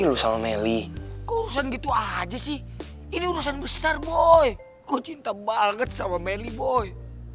lu sama meli urusan gitu aja sih ini urusan besar boy gue cinta banget sama meli boy